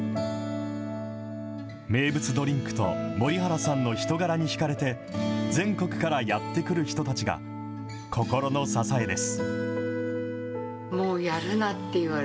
名物ドリンクと、森原さんの人柄に引かれて、全国からやって来る人たちが心の支えです。